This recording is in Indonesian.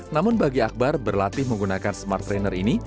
namun bagi akbar berlatih menggunakan smart trainer ini